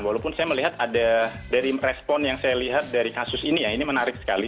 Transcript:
walaupun saya melihat ada dari respon yang saya lihat dari kasus ini ya ini menarik sekali